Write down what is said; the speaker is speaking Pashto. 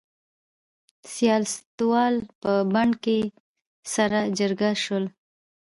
سیاستوال په بن کې سره جرګه شول.